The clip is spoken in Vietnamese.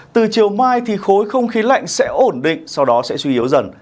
từ chiều mai thì khối không khí lạnh sẽ ổn định sau đó sẽ suy yếu dần